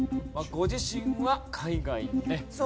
ご自身は海外のねロケ。